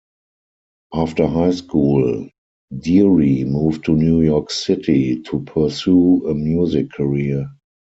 After high school, Dearie moved to New York City to pursue a music career.